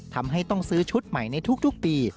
ทำให้ต้องซื้อชุดใหม่ในทุกปี